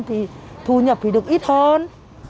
thì thu nhập thì được ít hơn